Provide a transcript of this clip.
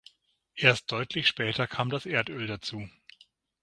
Erst deutlich später kam das Erdöl dazu.